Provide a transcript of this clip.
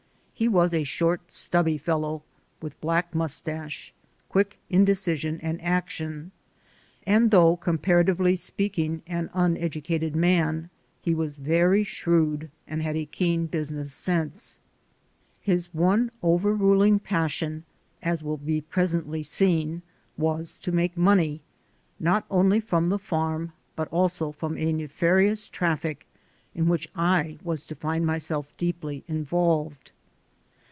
He was a short, stubby fellow with black mustache; quick in decision and action; and though comparatively speaking, an uneducated man, he was very shrewd and had a keen business sense. His one over ruling passion, as will be presently seen, was to make money, not only from the farm but also from a nefarious traffic, in which I was to find myself deeply involved.